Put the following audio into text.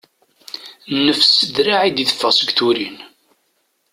Nnefs s ddraɛ i d-itteffaɣ seg turin.